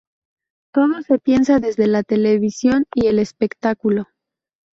Todo se piensa desde la televisión y el espectáculo.